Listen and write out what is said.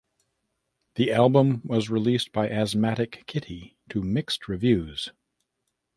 The album was released by Asthmatic Kitty to mixed reviews.